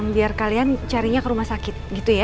biar kalian carinya ke rumah sakit gitu ya